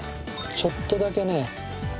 ちょっとだけね